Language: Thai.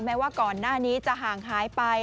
แม้ว่าก่อนหน้านี้จะห่างหายไป